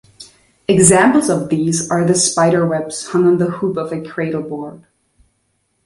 Examples of these are the "spiderwebs" hung on the hoop of a cradle board.